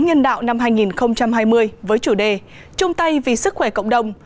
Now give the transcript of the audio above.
nhân đạo năm hai nghìn hai mươi với chủ đề trung tây vì sức khỏe cộng đồng